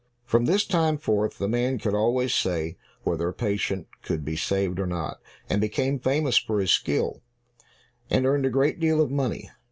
From this time forth, the man could always say whether a patient could be saved or not, and became famous for his skill, and earned a great deal of money.